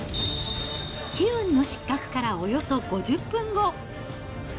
悲運の失格からおよそ５０分後。